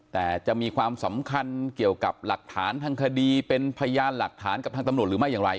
แต่จะมีความสำคัญเกี่ยวกับหลักฐานทางคดีเป็นพยานหลักฐานกับทางตำรวจหรือไม่อย่างไร